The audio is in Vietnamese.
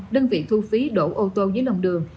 đơn vị thu phí đổ ô tô dưới lòng đường